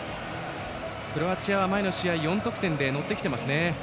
クロアチアは前の試合４得点でのってきてますね。